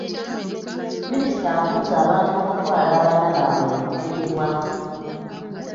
Minisita akunze abantu okutwala abaana baabwe okugemebwa.